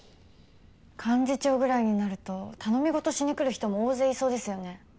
幹事長ぐらいになると頼み事しにくる人も大勢いそうですよね。